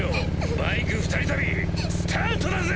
バイク二人旅スタートだぜ！